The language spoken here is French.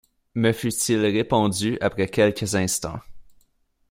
me fut-il répondu après quelques instants.